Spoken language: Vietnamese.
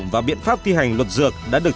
và biện pháp thi hành luật dược đã được